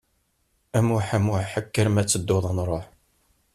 A Muĥ, a Muḥ, kker ma tedduḍ ad nruḥ.